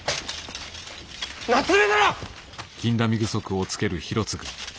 夏目殿！